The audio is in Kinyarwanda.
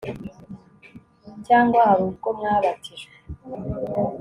cyangwa hari ubwo mwabatijwe